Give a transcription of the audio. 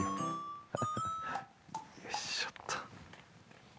よいしょっと。